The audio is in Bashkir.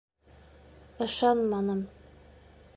Ышанманым...